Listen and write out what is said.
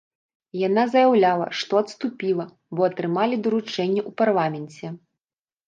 Яна заяўляла, што адступіла, бо атрымалі даручэнне ў парламенце.